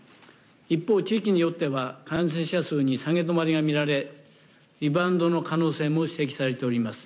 一方、地域によっては、感染者数に下げ止まりが見られ、リバウンドの可能性も指摘されております。